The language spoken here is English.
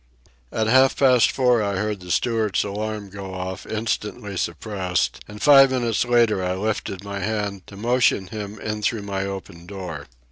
At half past four I heard the steward's alarm go off, instantly suppressed, and five minutes later I lifted my hand to motion him in through my open door.